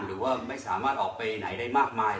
หรือว่าไม่สามารถออกไปไหนได้มากมาย